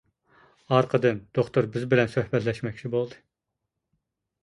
ئارقىدىن دوختۇر بىز بىلەن سۆھبەتلەشمەكچى بولدى.